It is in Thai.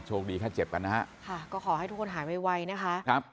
คดีแค่เจ็บกันนะฮะค่ะก็ขอให้ทุกคนหายไวนะคะครับ